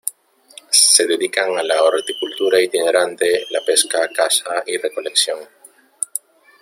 Se dedican a la horticultura itinerante, la pesca, caza y recolección.